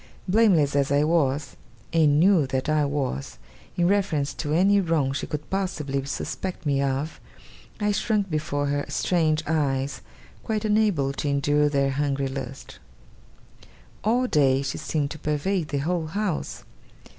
Blameless as I was, and knew that I was, in reference to any wrong she could possibly suspect me of, I shrunk before her strange eyes, quite unable to endure their hungry lustre. All day, she seemed to pervade the whole house.